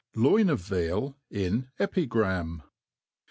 « l^oiti of Veal in Epigram.